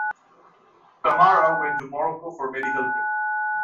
Camara went to Morocco for medical care.